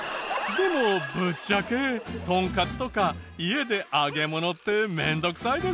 でもぶっちゃけトンカツとか家で揚げ物って面倒くさいですよね。